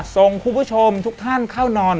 ส่งคุณผู้ชมทุกท่านเข้านอน